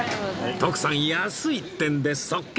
徳さん安いってんで即決